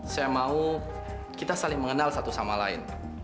saya mau kita saling mengenal satu sama lain